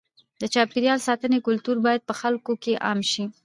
د چاپېریال ساتنې کلتور باید په خلکو کې عام شي.